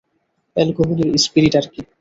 অ্যালকোহলের spirit আরকি।